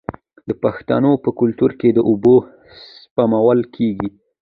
د پښتنو په کلتور کې د اوبو سپمول کیږي.